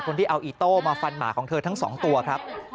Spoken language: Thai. ที่เอาอีโต้มาฟันหมาของเธอทั้งสองตัวครับ